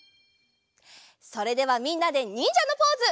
それではみんなでにんじゃのポーズ！